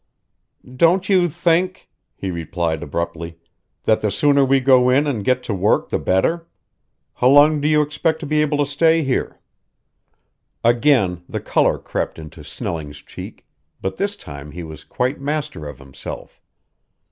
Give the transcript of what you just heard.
"Don't you think," he replied abruptly, "that the sooner we go in and get to work the better? How long do you expect to be able to stay here?" Again the color crept into Snelling's cheek, but this time he was quite master of himself.